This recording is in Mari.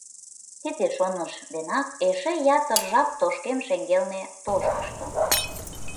Тиде шоныш денак эше ятыр жап тошкем шеҥгелне тошкышто.